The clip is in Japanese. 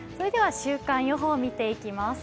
週間予報、見ていきます。